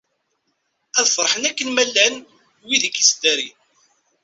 Ad ferḥen akken ma llan, wid i k-ittdarin.